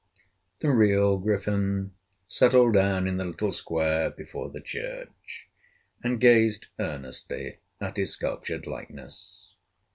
The real Griffin settled down in the little square before the church and gazed earnestly at his sculptured likeness.